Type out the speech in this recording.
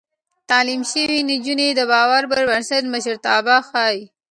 تعليم شوې نجونې د باور پر بنسټ مشرتابه ښيي.